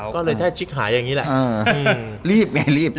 ก็เลยแท่ชิคหายอย่างนี้แหละ